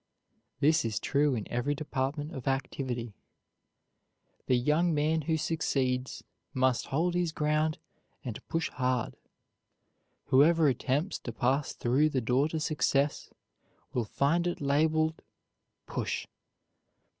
This is true in every department of activity. The young man who succeeds must hold his ground and push hard. Whoever attempts to pass through the door to success will find it labeled, "Push."